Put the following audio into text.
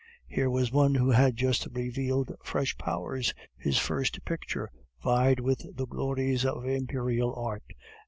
Here was one who had just revealed fresh powers, his first picture vied with the glories of Imperial art.